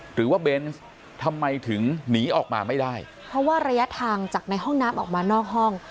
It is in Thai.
เบนส์ทำไมถึงหนีออกมาไม่ได้เพราะว่าระยะทางจากในห้องน้ำออกมานอกห้อง